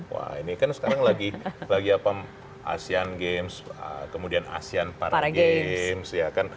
wah ini kan sekarang lagi apa asian games kemudian asian paragames